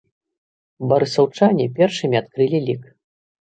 Барысаўчане першымі адкрылі лік.